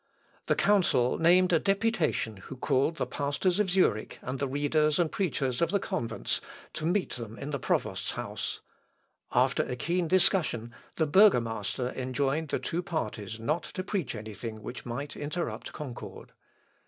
The council named a deputation who called the pastors of Zurich and the readers and preachers of the convents to meet them in the provost's house; after a keen discussion, the burgomaster enjoined the two parties not to preach any thing which might interrupt concord.